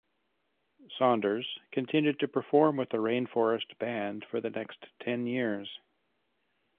Saunders continued to perform with the Rainforest Band for the next ten years.